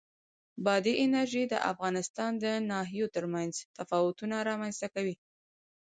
بادي انرژي د افغانستان د ناحیو ترمنځ تفاوتونه رامنځ ته کوي.